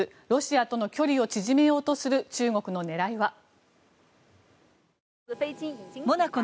ロシアとの距離を縮めようとする中国の狙いは。